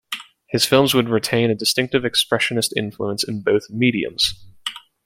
His films would retain a distinctive expressionist influence in both mediums.